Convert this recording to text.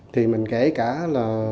thì mình kể cả là